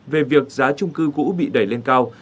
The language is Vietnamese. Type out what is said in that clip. về việc giá trung cư cũ bị đẩy lên cao